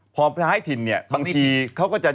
พอพร้ายถิ่นเนี่ยบางทีเขาก็จะ